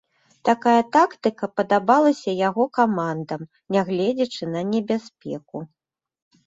Такая тактыка падабалася яго камандам, нягледзячы на небяспеку.